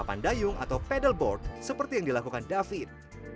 atau menikmati papan dayung atau pedalboard seperti yang dilakukan david